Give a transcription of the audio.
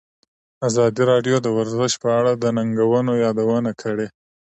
ازادي راډیو د ورزش په اړه د ننګونو یادونه کړې.